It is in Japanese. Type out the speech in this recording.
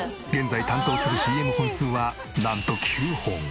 現在担当するＣＭ本数はなんと９本。